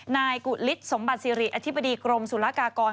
นายกุฤษสมบัติศิริอธิบดีกรมสุรกากร